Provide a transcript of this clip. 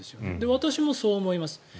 私もそう思います。